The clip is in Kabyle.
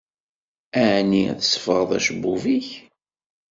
Aɛni tsebɣeḍ acebbub-ik?